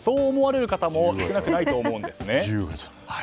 と思われる方も少なくないと思うんですね。